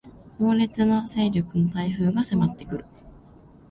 猛烈な勢力の台風が迫ってくる